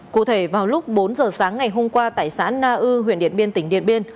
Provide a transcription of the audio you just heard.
cụ thể vào lúc bốn giờ sáng ngày hôm qua tại xã na ư huyện điện biên tỉnh điện biên